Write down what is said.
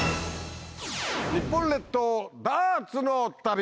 日本列島ダーツの旅。